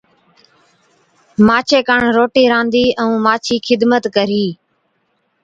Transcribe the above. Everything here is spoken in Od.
مانڇي ڪاڻ روٽِي رانڌي ائُون مانڇِي خدمت ڪرهي‘۔